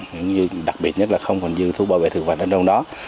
những dưa đặc biệt nhất là không còn dưa thuốc bảo vệ thực vật ở trong đó